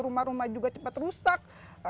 rumah rumah juga cepat rusak